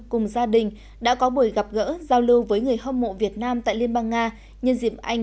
cùng gia đình đã có buổi gặp gỡ giao lưu với người hâm mộ việt nam tại liên bang nga nhân dịp anh